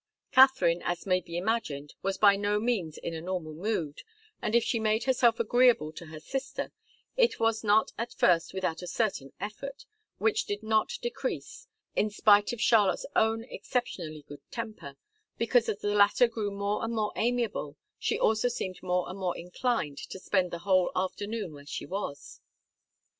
Katharine, as may be imagined, was by no means in a normal mood, and if she made herself agreeable to her sister, it was not at first without a certain effort, which did not decrease, in spite of Charlotte's own exceptionally good temper, because as the latter grew more and more amiable, she also seemed more and more inclined to spend the whole afternoon where she was.